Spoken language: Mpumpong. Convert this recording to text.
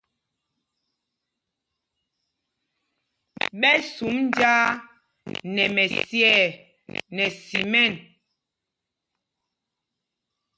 Ɓɛ sum njāā nɛ mɛsyɛɛ nɛ simɛn.